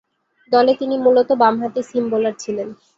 দলে তিনি মূলতঃ বামহাতি সিম বোলার ছিলেন।